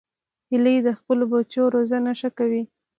هیلۍ د خپلو بچو روزنه ښه کوي